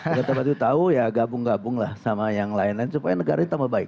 kalau tempat itu tahu ya gabung gabunglah sama yang lain lain supaya negaranya tambah baik